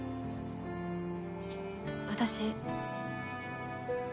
私。